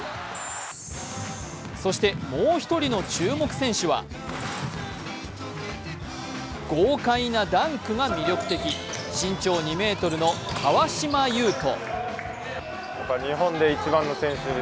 そしてもう１人の注目選手は豪快なダンクが魅力的、身長２ｍの川島悠翔。